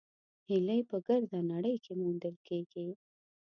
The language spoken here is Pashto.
هیلۍ په ګرده نړۍ کې موندل کېږي